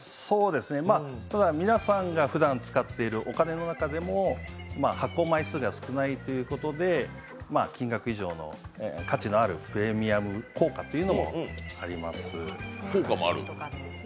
ただ皆さんがふだん使っているお金の中でも発行枚数が少ないということで金額以上の価値のあるプレミアム硬貨というものもあります。